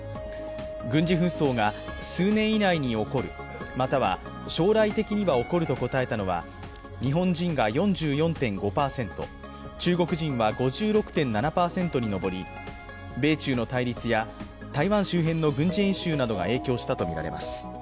軍事紛争が数年以内に起こる、または将来的には起こると答えたのは、日本人が４４．５％、中国人は５６．７％に上り米中の対立や台湾周辺の軍事演習などが影響したとみられます。